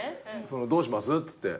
「どうします？」っつって。